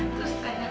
terus kan aku